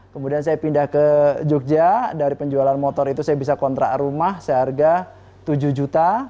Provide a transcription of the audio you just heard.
kemudian saya pindah ke jogja dari penjualan motor itu saya bisa kontrak rumah seharga tujuh juta